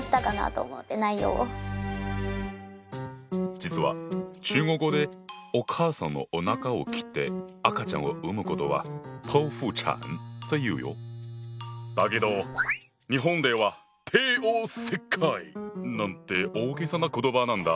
実は中国語でお母さんのおなかを切って赤ちゃんを産むことはだけど日本ではなんて大げさな言葉なんだ。